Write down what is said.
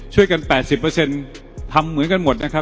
๘๐ทำเหมือนกันหมดนะครับ